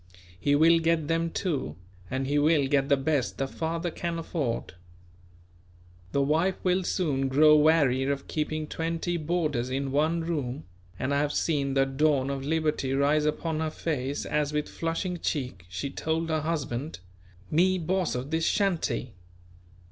He will get them too; and he will get the best the father can afford. The wife will soon grow weary of keeping twenty boarders in one room; and I have seen the dawn of liberty rise upon her face as with flushing cheek she told her husband: "Me boss of this shanty."